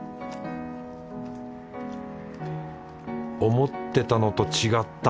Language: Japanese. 思ってたのと違った。